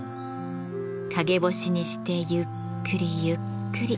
陰干しにしてゆっくりゆっくり。